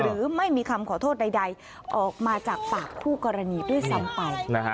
หรือไม่มีคำขอโทษใดออกมาจากปากคู่กรณีด้วยซ้ำไป